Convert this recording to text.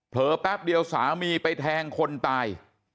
แป๊บเดียวสามีไปแทงคนตาย